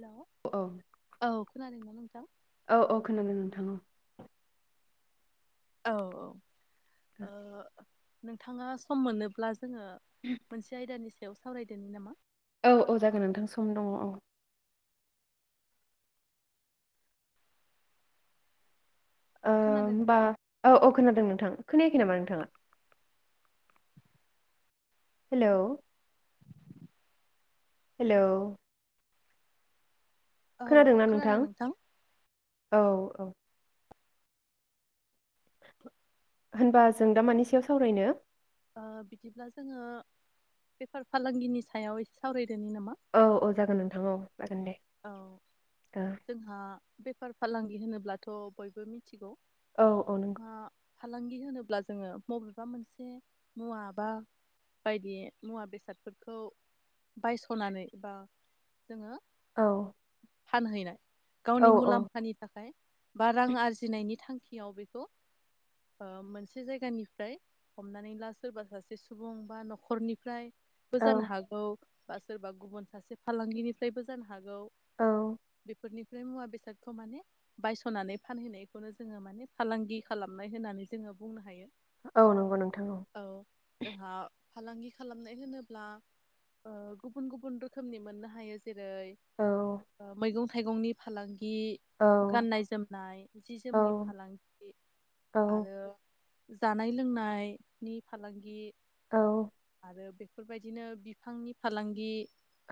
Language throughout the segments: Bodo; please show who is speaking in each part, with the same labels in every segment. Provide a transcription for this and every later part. Speaker 1: हेल'
Speaker 2: औ
Speaker 1: औ खोनादोंना नोंथां?
Speaker 2: औ औ खोनादों नोंथा औ
Speaker 1: औ औ ओ नोंथाङा सम मोनोब्ला जोङो मोनसे आयदानि सायाव सावरायदों नामा?
Speaker 2: औ औ जागोन नोंथां सम दङ औ। ओ
Speaker 1: खोनादों
Speaker 2: होनबा औ औ खोनादों नोंथां खोनायाखै नामा नोंथाङा? हेलौ हेलौ
Speaker 1: औ खोनादों नोंथां
Speaker 2: औ औ होनबा जों दा मानि सायाव सावरायनो?
Speaker 1: ओ बिदिब्ला जोङो बेफार फालांगिनि सायाव एसे सावराय
Speaker 2: औ औ जागोन नोंथां औ। जागोन दे
Speaker 1: औ जोंहा बे बेफार फालांगि होनोब्लाथ' बयबो मिथि गौ
Speaker 2: औ औ नंगौ
Speaker 1: फालांगि होनोब्ला जोङो मबेबा मोनसे मुवा बा बायदि मुवा बेसादफोरखौ बायसनानै बा जोङो
Speaker 2: औ
Speaker 1: फानहैनाय
Speaker 2: औ
Speaker 1: गावनि
Speaker 2: औ
Speaker 1: मुलाम्फानि थाखाय बा रां आरजिनायनि थांखियाव बेखौ मोनसे जायगानिफ्राय हमनानै ला सोरबा सासे सुबुं बा न'खरनिफ्राय
Speaker 2: औ
Speaker 1: बोजानो हागौ बा सोरबा गुबुन सासे फालांगिनिफ्रायबो जानो हा हागौ
Speaker 2: औ
Speaker 1: बेफोरनिफ्राय मुवा बेसादखौ माने बायस'नानै फानहैनायखौनो जोङो माने फालांगि खालामनाय होननानै जोङो बुंनो हायो।
Speaker 2: औ नंगौ नोंथां औ
Speaker 1: जोंहा फालांगि खालामनाय होनोब्ला गुबुन गुबुन रोखोमनि मोननो हायो जेरै
Speaker 2: औ
Speaker 1: मैगं था थाइगंनि फालांगि
Speaker 2: औ
Speaker 1: गि गाननाय जोमनाय जि
Speaker 2: औ
Speaker 1: जोमनि फालांगि
Speaker 2: औ
Speaker 1: आरो जानाय लोंनायनि फालांगि
Speaker 2: औ
Speaker 1: ओ बेफोरबायदिनो बिफांनि फालांगि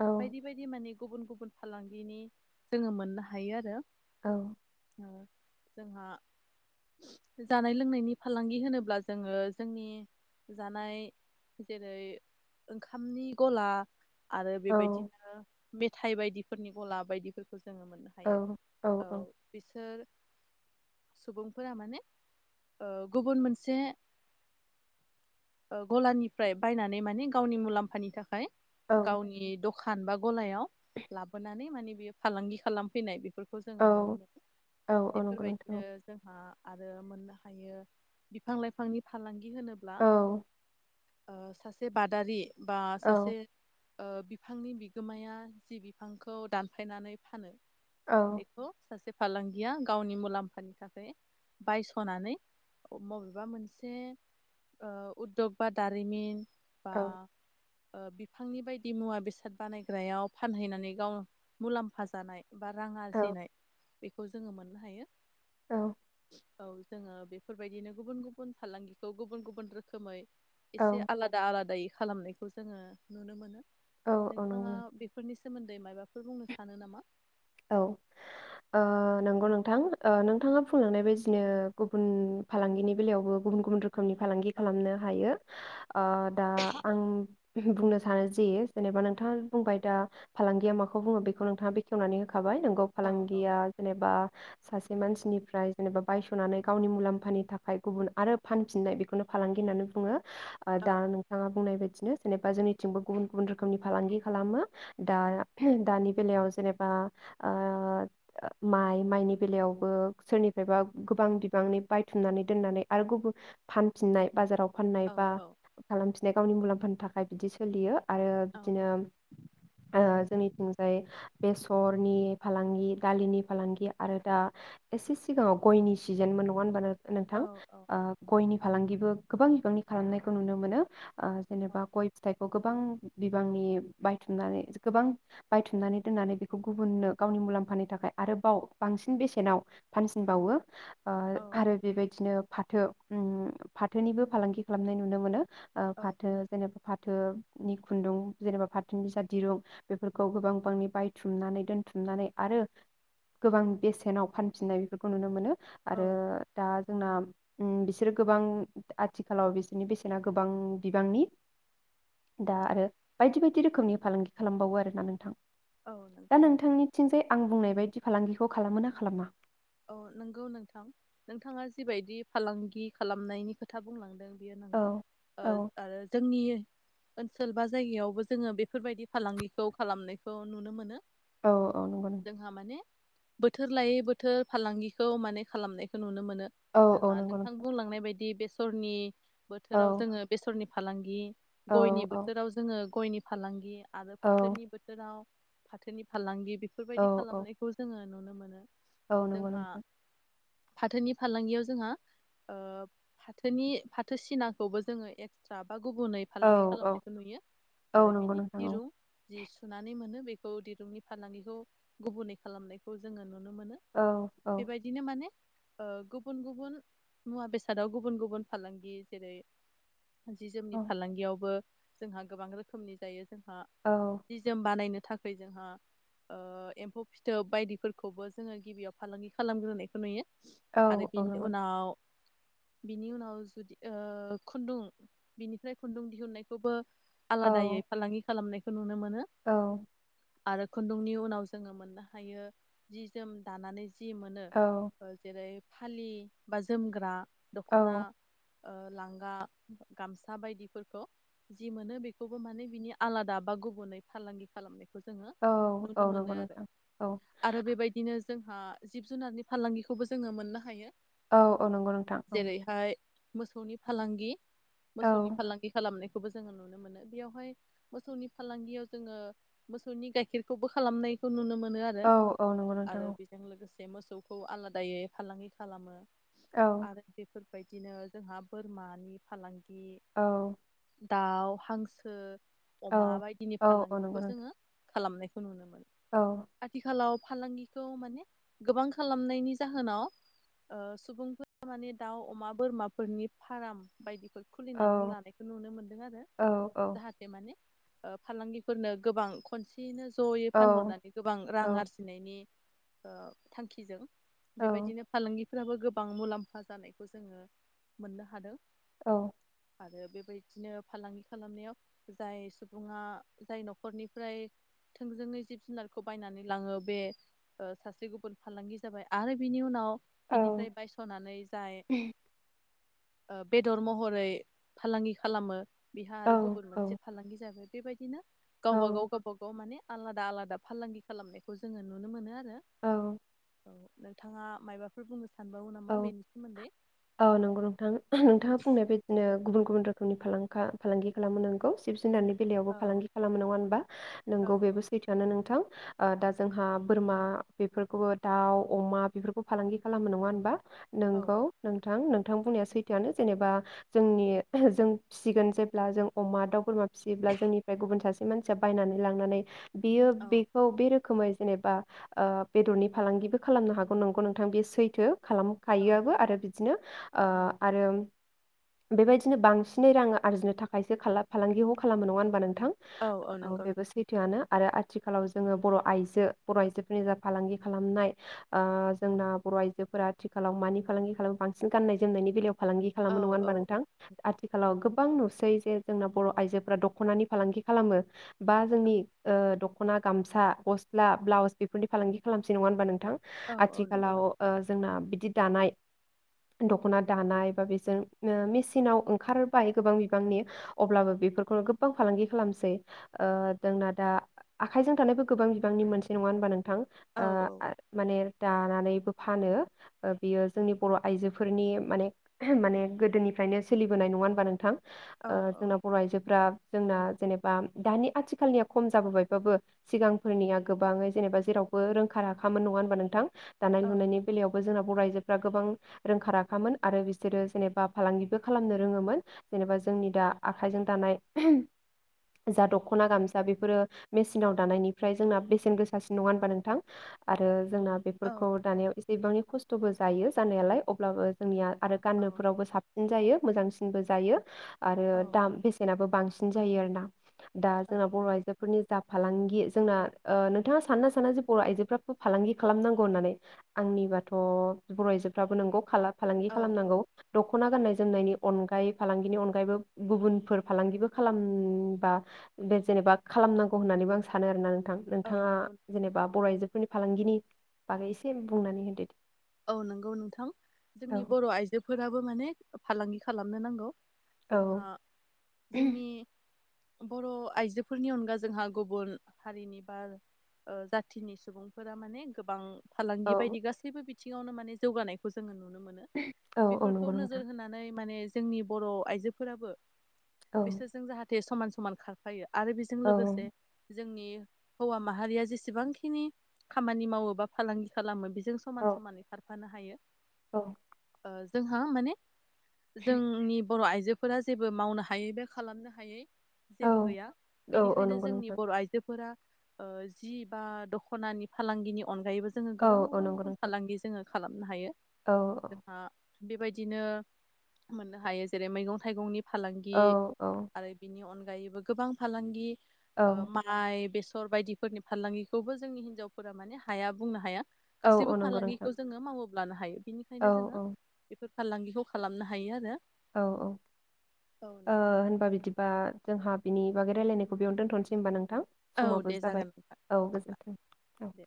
Speaker 2: औ
Speaker 1: बायदि बायदि मानि गुबुन गुबुन फालांगिनि जोङो मोननो हायो आरो।
Speaker 2: औ
Speaker 1: ओ जोंहा जानाय लोंनायनि फालांगि होनोब्ला जोङो जोंनि जानाय जेरै ओंखामनि गला आरो
Speaker 2: औ
Speaker 1: बेबायदिनो मेथाइ बायदि फोरनि गला बायदिफोर खौ जोङो मोननो हायो औ बिसोर सुबुंफोरा माने ओ गुबुन मोनसे ओ गलानिफ्राय बायनानै माने गावनि मुलाम्फानि थाखाय गावनि द खान बा गलायाव लाबोनानै माने बेयो फालांगि खालामफैनाय बे फोरखौ जोङो
Speaker 2: औ
Speaker 1: नुनो मोनो
Speaker 2: औ औ नंगौ
Speaker 1: इफोरबायदिनो
Speaker 2: नोंथां
Speaker 1: जोंहा आरो मोननो हायो बिफां लाइफांनि फालांगि गि होनोब्ला
Speaker 2: औ
Speaker 1: ओ सासे बादारि बा
Speaker 2: औ
Speaker 1: सासे ओ बिफांनि बिगोमाया जि बि फांखौ दानफायनानै फानो। बेखौ सासे - फालांगिया गावनि मुलाम्फानि थाखाय बायसनानै अ मबेबा मोनसे ओ उद्यग बा दारिमिन
Speaker 2: औ
Speaker 1: बा ओ बिफांनि बायदि मुवा बेसाद बानायग्रायाव फानहैनानै गाव मुलाम्फा जानाय बा रां
Speaker 2: औ
Speaker 1: आरजिनाय बेखौ जोङो मोननो हायो
Speaker 2: औ
Speaker 1: औ जोंङो बेफोरबायदिनो गुबुन गुबुन फालांगिखौ गुबुन गुबुन रोखोमै
Speaker 2: औ
Speaker 1: एसे आलादा आलादायै खालामनायखौ जोङो नुनो मोनो
Speaker 2: औ नंगौ
Speaker 1: नोंथांङा
Speaker 2: नंगौ।
Speaker 1: बेफोरनि सो दै माबाफोर बुंनो सानो नामा?
Speaker 2: औ ओ नोंगौ नोंथां ओ नोंथाङा बुंलांनाय बायदिनो गुबुन फालांगिनि बेलायावबो गुबुन गुबुन रो खोमनि फालांगि
Speaker 1: औ
Speaker 2: खालामनो हायो ओ दा आं बुंनो सानो जे जेनेबा नोंथाङा बुंबाय दा फालांगिया माखौ बुङो बेखौ नोंथाङा बेखेवनानै हो खाबाय नोंगौ
Speaker 1: औ औ
Speaker 2: फालांगिया जेनेबा सासे मानसिनिफ्राय जेनेबा बायस'नानै गावनि मुलाम्फानि थाखाय गुबुन आरो फानफिननाय बेखौनो फालांगि होननानै बुङो। ओ
Speaker 1: औ
Speaker 2: दा नोंथांङा बुंनाय बायदिनो जेनेबा जोंनिथिंबो गुबुन गुबुन रोखोमनि फालांगि खालामो दा दानि बेलायाव जेनेबा ओ माइ माइनि बेलायावबो सोरनिफ्रायबा गोबां बिबांनि बायथुमनानै दोननानै आरो गुबु फानफिननाय बाजाराव फाननाय
Speaker 1: औ
Speaker 2: बा
Speaker 1: औ
Speaker 2: खालामफिननाय गावनि मुलाम फाननो थाखाय बिदि सोलियो। आरो
Speaker 1: औ
Speaker 2: बिदिनो ओ जोंनि ओमफ्राय बे सु सरनि फालांगि, दालिनि फालांगि, आरो दा एसे सिगाङाव गयनि सिजेनमोन नङा होनबा नोंथां
Speaker 1: औ
Speaker 2: ओ गयनि फालांगि बो गोबां बिबांनि खालामनायखौ नुनो मोनो। ओ
Speaker 1: औ
Speaker 2: जेनेबा गय फिथाइखौ गोबां बि-बिबांनि बायथुमनानै गोबां बायथुमनानै दोननानै बे खौ गुबुननो गावनि मुलाम्फानि थाखाय आरोबाव बांसिन बेसेनाव फानसिनबावो ओ
Speaker 1: औ
Speaker 2: आरो बेबायदिनो फाथो उम्म फाथोनिबो फालांगि खालामनाय नुनो मोनो। ओ
Speaker 1: औ
Speaker 2: फाथो जेनेबा फाथो नि खुन्दुं जेनेबा फाथो बिसा दिरुं बेफोरखौ गोबां बांनि बाय थुमनानै दोनथुमनानै आरो गोबां बेसेनाव फानफिननाय बेफोरखौ नुनो मोनो। आरो दा जोंना उम्म बिसोरो गोबां आथिखालाव बिसोरनि बेसेना गोबां बिबांनि दा
Speaker 1: औ
Speaker 2: आरो बायदि बायदि रोखोमनि फालांगि खालामबावो आरोना नोंथां।
Speaker 1: औ नंगौ
Speaker 2: दा
Speaker 1: नोंथां
Speaker 2: नोंथांनिथिंजाय आं बुंनाय बायदि फालांगिखौ खालामो ना खालामा।
Speaker 1: अ नंगौ नोंथां नोंथाङा जिबायदि फालांगि खालामनायनि खोथा बुंलांदों बेयो
Speaker 2: औ
Speaker 1: नौ
Speaker 2: औ
Speaker 1: आरो ओ जोंनि ओनसोल बा जायगायावबो जोङो बेफोरबायदि फालांगिखौ खालामनायखौ नुनो मोनो।
Speaker 2: औ औ नंगौ नंथां।
Speaker 1: जोंहा माने बोथोर लायै बो बोथोर फालांगिखौ माने खालामनायखौ नुनो मोनो।
Speaker 2: औ
Speaker 1: नो
Speaker 2: औ
Speaker 1: जोंहा
Speaker 2: नंगौ
Speaker 1: नोंथां बुंलांनाय बायदि बेस सरनि
Speaker 2: औ
Speaker 1: बोथोराव जोङो बेसरनि फालांगि।
Speaker 2: औ
Speaker 1: गयनि
Speaker 2: औ
Speaker 1: बोथोराव जोङो। गयनि फालांगि। आरो
Speaker 2: औ
Speaker 1: फाथोनि बोथोराव। फाथोनि फालांगि।
Speaker 2: औ
Speaker 1: बेफोरबायदि खालामनायखौ जोङो नुनो। मोनो।
Speaker 2: औ नंगौ
Speaker 1: जोंहा
Speaker 2: नोंथां।
Speaker 1: फाथोनि फालांगियाव जोंहा फाथोनि फाथो सिनाखौबो जोङो एक्ट्रा। बा गुबुनै
Speaker 2: औ
Speaker 1: फालांगि
Speaker 2: औ
Speaker 1: खालामनायखौ नुयो
Speaker 2: औ
Speaker 1: आरो
Speaker 2: नंगौ
Speaker 1: बिनि
Speaker 2: नोंथां औ
Speaker 1: दिरुं जि सुनानै मोनो बे। औ दिरुंनि फालांगिखौ गुबुनै खालामनायखौ जोङो नुनो मोनो।
Speaker 2: औ औ।
Speaker 1: बेबायदिनो माने ओ गुबुन गुबुन मुवा बेसादाव गुबुन गुबुन फालांगि जेरै जि जोमनि फालांगियावबो जोंहा गोबां रोखोमनि जायो जोंहा
Speaker 2: औ
Speaker 1: निजोम बानायनो। थाखाय जोंहा ओ एम्फौ फिथोब बायदिफोरखौबो जोङो गिबियाव फालांगि खालामग्रोनायखौ नुयो।
Speaker 2: औ
Speaker 1: आरो
Speaker 2: औ
Speaker 1: बिनि
Speaker 2: नंगौ
Speaker 1: उनाव बिनि उनाव जुदि ओ खुन्दुं बिनिफ्राय खुन्दुं दिहुननायखौबो
Speaker 2: औ
Speaker 1: आलादायै फालांगि खालामनायखौ [inaudible] नो आरो खुन्दुंनि उनाव जोङो मोननो हायो जि जोम दानानै जि मोनो
Speaker 2: औ
Speaker 1: जेरै फालि बा जोमग्रा दखना
Speaker 2: औ
Speaker 1: लांगा गामसा बायदिफोरखौ जि मोनो बेखौबो माने बिनि आलादा बा गुबुनै फालांगि खालामनाय जोङो
Speaker 2: औ औ
Speaker 1: नुनो मोनो
Speaker 2: नंगौ
Speaker 1: आरो
Speaker 2: नोंथां औ
Speaker 1: आरो बेबायदिनो जोंहा जिब जुनारनि फालांगिखौबो जोङो मोननो हायो।
Speaker 2: औ औ नंगौ नोंथां औ
Speaker 1: जेरैहाय मोसौनि फालांगि
Speaker 2: औ
Speaker 1: मोसौनि फालांगि खालामनाय खौबो जोङो नुनो मोनो। बेयावहाय मोसौनि फालांगियाव जोङो मोसौनि गाइखेरखौबो खालामनायखौ नुनो मो
Speaker 2: औ औ नंगौ नों
Speaker 1: आरो बेजों लोगोसे मोसौखौ आलादायै फालांगि खालामो।
Speaker 2: औ
Speaker 1: आरो बेफोर बायदिनो जोंहा बोरमानि फालांगि
Speaker 2: औ
Speaker 1: दाउ हांसो
Speaker 2: औ
Speaker 1: अमा बायदिनि
Speaker 2: औ औ
Speaker 1: फालांगिखौ
Speaker 2: नंगौ नोंथां
Speaker 1: जोङो खालामनायखौ नुनो मोनो।
Speaker 2: औ
Speaker 1: आथिखालाव फालांगि खौ माने गोबां खालामनायनि जाहोनाव ओ सुबुंफोरा माने दाउ अमा बोरमाफोरनि फार्म बायदि फोर
Speaker 2: औ
Speaker 1: खुलिनानै लानायखौ नुनो मोनदों आरो
Speaker 2: औ औ
Speaker 1: जाहाथे माने ओ फालांगिफोरनो गोबां खनसेयैनो जयै फानहरनानै गोबां रां
Speaker 2: औ
Speaker 1: आरजिनायनि ओ थांखिजों बेबायदिनो फालांगि फोराबो गोबां मुलाम्फा जानायखौ जोङो मोननो हादों।
Speaker 2: औ
Speaker 1: आरो बेबायदिनो फालांगि खालामनायाव जाय सुबुङा जाय नखरनिफ्राय थोंजोङै जिब-जुनारखौ बायनानै लाङो बे ओ सासे गुबुन फालांगि जाबाय आरो बिनि उनाव बिनिफ्राय बायसनानै जाय ओ बेदर महरै फालांगि खालामो बेहा आरो गुबुन मोनसे फालांगि जाबाय बेबाय दिनो
Speaker 2: औ
Speaker 1: गावबा गाव गावबा गाव माने आलादा आलादा फालांगि खालामनायखौ जोङो नु नुनो मोनो आ रो
Speaker 2: औ
Speaker 1: औ नोंथाङा मायबाफोर बुंनो सानबावो
Speaker 2: औ
Speaker 1: नामा बेनि सोमोन्दै
Speaker 2: औ नंगौ नोंथां नोंथाङा बुंनाय बायदिनो गुबुन गुबुन रोखोमनि फालांखा फालांगि खालामो नोंगौ। जिब जुनारनि बेलायावबो
Speaker 1: औ
Speaker 2: फालांगि खालामो नङा होनबा
Speaker 1: औ
Speaker 2: नोंगौ बेबो सैथोआनो नोंथां। ओ दा जोंहा बोरमा बेफोरखौबो दाउ, अमा, बेफोरखौ फालांगि खालामो नङा होनबा?
Speaker 1: औ
Speaker 2: नोंगौ नोंथां नों थां बुंनाया सैथोआनो जेनेबा जोंनि जों फिसिगोन जेब्ला जों अमा दाउ बोरमा फियोब्ला जोंनिफ्राय गुबुन सासे मानसिया बायनानै लांनानै बियो
Speaker 1: औ
Speaker 2: बेखौ बे रो खोमै जेनेबा ओ बेदरनि फालांगिबो खालामनो हागौ नंगौ नोंथां बे सैथो।
Speaker 1: औ
Speaker 2: खालामखायोआबो आरो बिदिनो ओ
Speaker 1: औ
Speaker 2: आरो बेबायदिनो बांसिनै रां आरजिनो थाखायसो खाला फालांगिखौ खालामो नङा होनबा नों थां? औ बेबो सैथोआनो आरो आथिखालाव जोङो बर' आइजो बर' आइजोफोरनि जा फालांगि खालामनाय ओ जोंना बर' आइजोफोरा आथिखालाव मानि फालांगि खालामो बांसिन गाननाय जोमनायनि बेलायाव फालांगि
Speaker 1: औ
Speaker 2: खालामो नङा
Speaker 1: औ
Speaker 2: होनबा नोंथां आथिखालाव गोबां नु सै जे जोंना बर' आइजोफोरा दखनानि फालांगि खालामो। बा
Speaker 1: औ
Speaker 2: जोंनि ओ दख खना, गामसा, गस्ला, ब्लाउस बेफोरनि फालांगि खालामसै नङा होनबा नों थां?
Speaker 1: औ औ नंगौ
Speaker 2: आथिखालाव
Speaker 1: नों
Speaker 2: ओ जोंना बिदि दानाय दखना दानाय बा बेजों मेसिनाव ओंखारबाय गोबां बिबांनि अब्लाबो बेफोरखौनो गोबां फालांगि खालामसै ओ जोंना दा आखाइजों थानायबो गोबां बिबांनि मोनसै नङा होनबा नों थां?
Speaker 1: औ
Speaker 2: ओ आ माने दानानैबो फानो ओ बियो जोंनि बर' आइजोफोरनि माने माने गोदोनिफ्रायनो सोलिबोनाय नङा होनबा नोंथां?
Speaker 1: औ
Speaker 2: ओ जोंना बर' आइजोफ्रा जोंना जेनेबा दानि आथिखालनिया खम जाबोबायबाबो सिगांफोरनिया गोबाङै जेनेबा जेरावबो रोंखा राखामोन नङा होनबा नोंथां? दानाय
Speaker 1: औ
Speaker 2: लुनायनि बेलायाव बो जोनाव बर' आइजोफ्रा गोबां रोंखा राखामोन आरो बिसोरो जेनेबा फालांगिबो खालामनो रोङोमोन जेनेबा जोंनि दा आखाइजों दानाय जा दखना गामसा बेफोरो मेसिनाव दानायनिफ्राय जोंना बेसेन गोसासिन नङा होनबा नोंथां आरो जोंना
Speaker 1: औ
Speaker 2: बेफोरखौ दानायाव एसे बिबांनि खस्थ स्थबो जायो जानायालाय अब्लाबो जोंनिया आरो
Speaker 1: औ
Speaker 2: गान्नोफोरावबो साबसिन जायो। मोजांसिनबो जायो आरो
Speaker 1: औ
Speaker 2: दाम बेसेनाबो बांसिन सिन जायो आरो ना दा जोंना बर' आइजोफोरनि दा फालांगि जोंना ओ नोंथाङा सानना साना जे बर' आइजोफ्राबो फालांगि खालामनांगौ होननानै आंनि बा थ बर' आइजोफ्राबो नोंगौ खाला फालांगि
Speaker 1: औ
Speaker 2: खालामनांगौ।
Speaker 1: औ
Speaker 2: दखना गाननाय जोमनायनि अनगायै फालांगिनि अनगायैबो गुबुनफोर फालांगिबो खालामबा बे जेनेबा खालामनांगौ होननानैबो आं सानो आरोना। थां
Speaker 1: औ
Speaker 2: नोंथाङा
Speaker 1: नंगौ नोंथां
Speaker 2: जेनेबा बर' आइजोफोरनि फालांगिनि बागै एसे बुंनानै होदो दे।
Speaker 1: औ नंगौ नोंथां
Speaker 2: औ
Speaker 1: जोंनि बर' आइजोफोराबो माने फालांगि खालामनो नांगौ।
Speaker 2: औ
Speaker 1: जोंहा जोंनि बर' आइजोफोरनि अनगा जोंहा गुबुन हारिनि बा ओ जाथिनि सुबुंफोरा माने गोबां फालांगि
Speaker 2: औ
Speaker 1: बायदि गासैबो बि बिथिङावनो माने जौगानायखौ जोङो नुनो मोनो
Speaker 2: औ औ
Speaker 1: बेफोरखौ
Speaker 2: नंगौ
Speaker 1: नोजोर
Speaker 2: नोंथां
Speaker 1: होनानै माने जोंनि बर' आइजोफोराबो
Speaker 2: औ
Speaker 1: बिसोरजों जाहाथे दे समान समान खारफायो आरो बेजों
Speaker 2: औ
Speaker 1: लोगोसे जोंनि हौवा माहारिया जेसेबांखिनि खामानि मावो बा फालांगि खालामो बेजों समान समानै खानै खारफानो हायो।
Speaker 2: औ
Speaker 1: ओ जोंहा माने जोंनि बर' आइजोफोरा जेबो मावनो हायै बा खालामनो हायै
Speaker 2: औ
Speaker 1: जेबो गैया
Speaker 2: औ औ
Speaker 1: बेनिखायनो
Speaker 2: नंगौ
Speaker 1: जोंनि
Speaker 2: नोंथां
Speaker 1: बर' आइजोफोरा जि बा दखनानि फालांगिनि अनगायैबो जोङो
Speaker 2: औ
Speaker 1: गोबां
Speaker 2: औ
Speaker 1: गुबुन
Speaker 2: नंगौ नोंथां
Speaker 1: गुबुन गि जोङो खालामनो हायो।
Speaker 2: औ अ
Speaker 1: जोंहा बेबायदिनो मोननो हायो जेरै मैगं थाइगंनि फालांगि
Speaker 2: औ औ
Speaker 1: आरो बिनि अनग अनगायैबो गोबां फालांगि
Speaker 2: औ
Speaker 1: ओ माइ बेस [unintelligible] बायदिफोरनि फालांगिखौबो जोंनि हिनजावफोरा माने हाया बुंनो हाया
Speaker 2: औ
Speaker 1: गासैबो
Speaker 2: अ
Speaker 1: फालांगिखौ जोङो मावोब लानो हायो
Speaker 2: औ
Speaker 1: बिनिखायनो जोङो बेफोर फालांगिखौ खालामनो हायो आरो
Speaker 2: औ औ
Speaker 1: औ
Speaker 2: ओ
Speaker 1: नोंथां
Speaker 2: होनबा बिदिबा जोंहा बिनि बागै रायलायनायखौ बेयाव दोनथनसै होनबा नोंथां
Speaker 1: औ
Speaker 2: समाबो
Speaker 1: दे जागोन
Speaker 2: जाबाय
Speaker 1: नोंथां
Speaker 2: औ
Speaker 1: बिदिब्ला
Speaker 2: गोजोन्थों औ
Speaker 1: दे